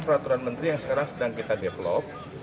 peraturan menteri yang sekarang sedang kita develop